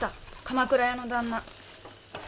鎌倉屋の旦那。